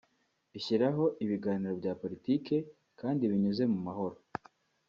ishyiraho ibiganiro bya politike kandi binyuze mu mahoro